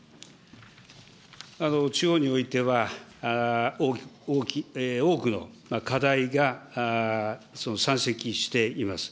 地方においては多くの課題が山積しています。